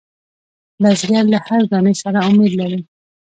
بزګر له هر دانې سره امید لري